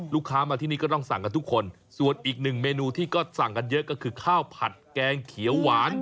ลูกค้ามาที่นี่ก็ต้องสั่งกันทุกคนส่วนอีกหนึ่งเมนูที่ก็สั่งกันเยอะก็คือข้าวผัดแกงเขียวหวาน